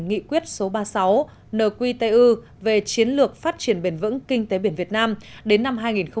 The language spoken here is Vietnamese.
nghị quyết số ba mươi sáu nqtu về chiến lược phát triển bền vững kinh tế biển việt nam đến năm hai nghìn ba mươi